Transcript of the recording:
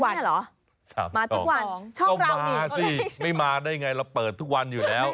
เนี่ยเหรอมาทุกวันมาสิไม่มาได้ไงเราเปิดทุกวันอยู่แล้ว